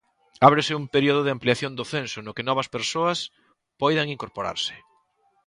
Ábrese un período de ampliación do censo no que novas persoas poidan incorporarse.